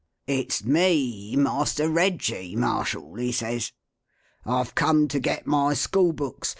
'It's me Master Reggie, Marshall,' he says. 'I've come to get my school books.